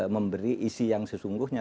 memberi isi yang sesungguhnya